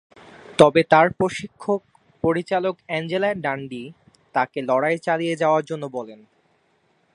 তবে তাঁর প্রশিক্ষক/পরিচালক অ্যাঞ্জেলো ডান্ডি তাঁকে লড়াই চালিয়ে যাওয়ার জন্য বলেন।